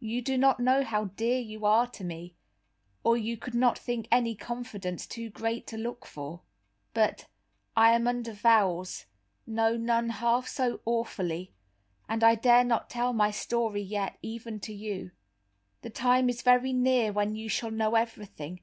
You do not know how dear you are to me, or you could not think any confidence too great to look for. But I am under vows, no nun half so awfully, and I dare not tell my story yet, even to you. The time is very near when you shall know everything.